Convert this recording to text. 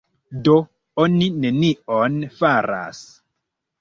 Do oni nenion faras.